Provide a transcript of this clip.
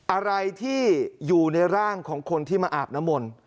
อะไรที่อยู่ในร่างของคนที่มาอาบน้ำมนต์